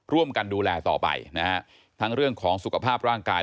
ร่วมกันดูแลต่อไปนะฮะทั้งเรื่องของสุขภาพร่างกาย